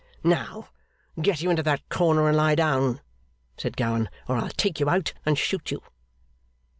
'Now get you into that corner and lie down,' said Gowan, 'or I'll take you out and shoot you.